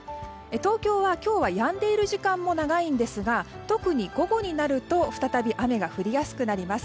東京は今日、やんでいる時間も長いんですが、特に午後になると再び雨が降りやすくなります。